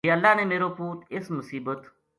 جے اللہ نے میرو پُوت اس مصیبت